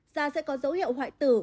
da sẽ có dấu hiệu hoại tử